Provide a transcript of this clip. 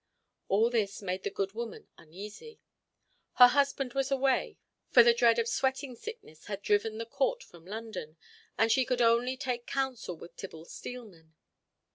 All this made the good woman uneasy. Her husband was away, for the dread of sweating sickness had driven the Court from London, and she could only take counsel with Tibble Steelman.